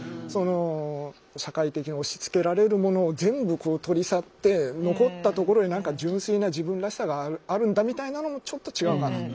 社会的に押しつけられるものを全部取り去って残ったところに純粋な自分らしさがあるんだみたいなのもちょっと違うかなって。